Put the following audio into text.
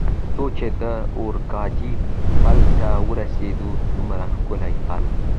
څو چې د اورګاډي پل ته ورسېدو، څومره ښکلی پل.